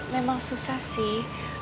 memang susah sih